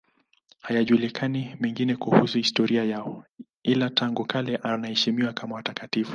Hayajulikani mengine kuhusu historia yao, ila tangu kale wanaheshimiwa kama watakatifu.